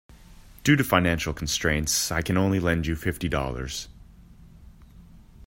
Due to financial constraints I can only lend you fifty dollars.